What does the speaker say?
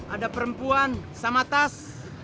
ada perempuan sama tas